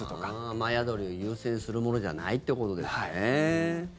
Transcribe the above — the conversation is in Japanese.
雨宿りを優先するものじゃないってことですね。